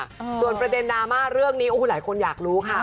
ส่วนประเด็นดราม่าเรื่องนี้โอ้โหหลายคนอยากรู้ค่ะ